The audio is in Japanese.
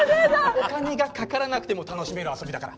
お金がかからなくても楽しめる遊びだから。